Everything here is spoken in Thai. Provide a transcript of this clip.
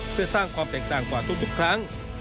เพื่อสร้างความแตกต่างกว่าทุกครั้ง